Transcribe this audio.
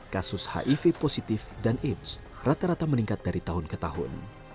kasus hiv positif dan aids rata rata meningkat dari tahun ke tahun